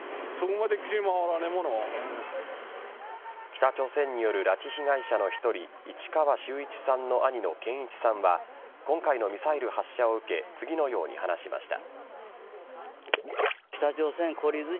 北朝鮮による拉致被害者の１人市川修一さんの兄の健一さんは今回のミサイル発射を受け次のように話しました。